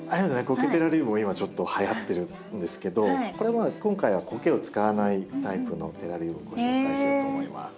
コケテラリウムも今ちょっとはやってるんですけどこれは今回はコケを使わないタイプのテラリウムをご紹介しようと思います。